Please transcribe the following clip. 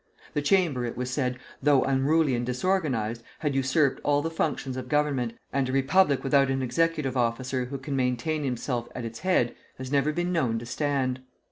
The Chamber, it was said, though unruly and disorganized, had usurped all the functions of government, and a republic without an executive officer who can maintain himself at its head, has never been known to stand.